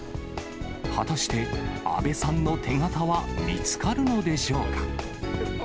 果たして、阿部さんの手形は見つかるのでしょうか。